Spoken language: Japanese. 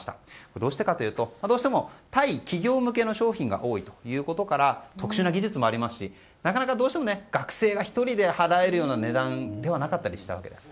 どうしてかというとどうしても対企業の商品が多いということから特殊な技術もありますしどうしても学生が１人で払えるような値段ではなかったわけです。